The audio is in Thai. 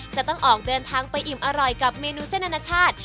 จะต้องออกเดินทางไปอิ่มอร่อยกับเมนูเส้นอนาชาติ